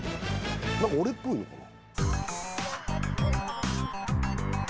何か俺っぽいのかな？